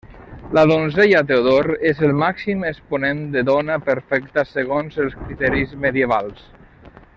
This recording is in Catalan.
La donzella Teodor és el màxim exponent de dona perfecta segons els criteris medievals.